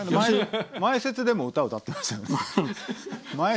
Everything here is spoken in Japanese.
前説でも歌歌ってましたよね。